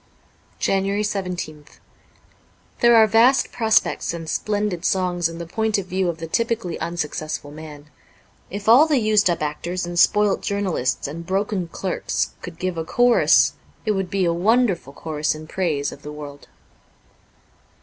'' 17 JANUARY 17th THERE are vast prospects and splendid songs in the point of view of the typically unsuccessful man ; if all the used up actors and spoilt journalists and broken clerks could give a chorus it would be a wonderful chorus in praise of the world.